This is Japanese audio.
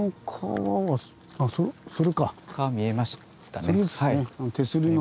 川見えましたね。